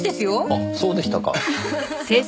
あっそうでしたか。